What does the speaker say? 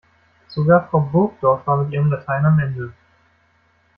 Sogar Frau Burgdorf war mit ihrem Latein am Ende.